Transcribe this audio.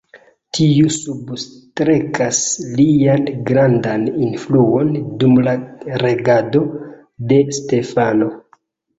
Tio substrekas lian grandan influon dum la regado de Stefano.